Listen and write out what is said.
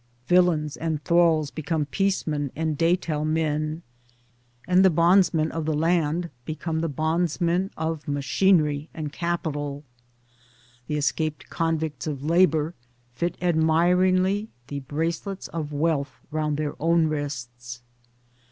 Villeins and thralls become piece men and day tal men, and the bondsmen of the land become the bondsmen of Machinery and Capital ; the escaped convicts of Labor fit admiringly the bracelets of Wealth round their own wrists.